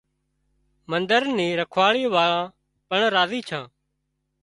منۮر نِي رکواۯي واۯان پڻ راضي ڇان